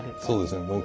そうですね。